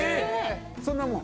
そんなもん？